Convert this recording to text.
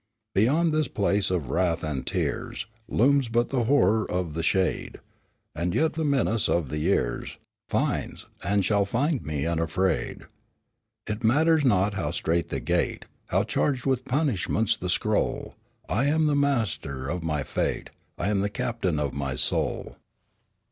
"Beyond this place of wrath and tears Looms but the horror of the shade, And yet the menace of the years Finds, and shall find me unafraid. "It matters not how strait the gate, How charged with punishments the scroll, I am the master of my fate, I am the captain of my soul."